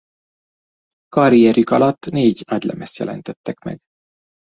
Karrierjük alatt négy nagylemezt jelentettek meg.